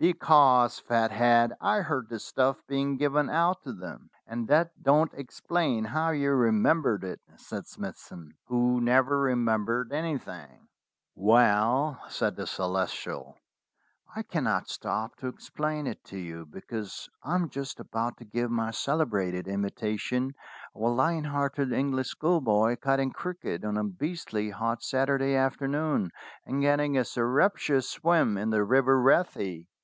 "Because, Fathead, I heard the stuff being given out to them." "And that don't explain how you remembered it," said Smithson, who never remembered anything. THE CELESTIAL'S EDITORSHIP 231 "Well," said the Celestial, "I cannot stop to ex plain it to you, because I am just about to give my celebrated imitation of a lion hearted English school boy cutting cricket on a beastly hot Saturday after noon, and getting a surreptitious swim in the river Wathy."